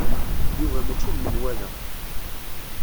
Yuba mačči d menwala.